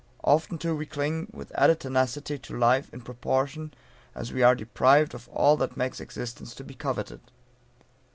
Often, too, we cling with added tenacity to life in proportion as we are deprived of all that makes existence to be coveted.